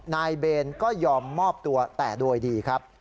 นายเบนก็ยอมมอบตัวแต่โดยดีครับ